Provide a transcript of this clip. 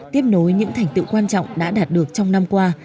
tiếp nối những thành tựu quan trọng đã đạt được trong năm qua